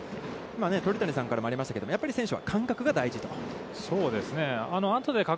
今鳥谷さんからもありましたけど、やっぱり選手は感覚が大事と。